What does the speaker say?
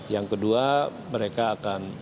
yang kedua mereka akan